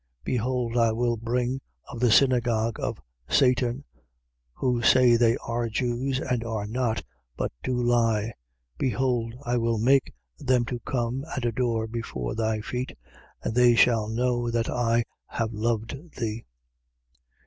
3:9. Behold, I will bring of the synagogue of Satan, who say they are Jews and are not, but do lie. Behold, I will make them to come and adore before thy feet. And they shall know that I have loved thee.